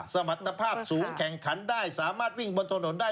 สมรรถภาพสูงแข่งขันได้สามารถวิ่งบนถนนได้